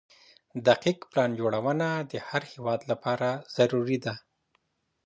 دقيق پلان جوړونه د هر هيواد لپاره ضروري ده.